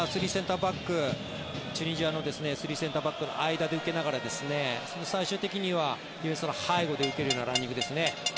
チュニジアの３センターバックの間で受けながら、最終的にはディフェンスの背後で受けるようなランニングですね。